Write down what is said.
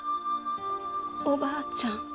おばあちゃん。